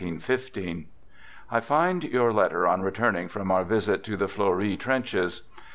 I find your letter on returning from our visit to the Fleury trenches.